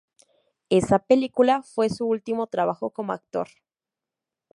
Esa película fue su último trabajo como actor.